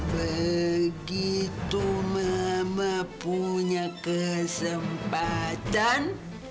begitu mama punya kesempatan